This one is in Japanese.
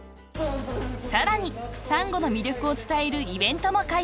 ［さらにサンゴの魅力を伝えるイベントも開催］